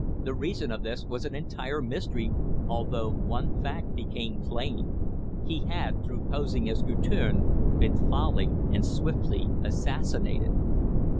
The reason of this was an entire mystery, although one fact became plain: he had, through posing as Guertin, been foully and swiftly assassinated.